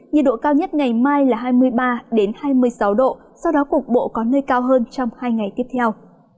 nhiệt độ cao nhất ngày mai là hai mươi ba hai mươi sáu độ sau đó cục bộ có nơi cao hơn trong hai ngày tiếp theo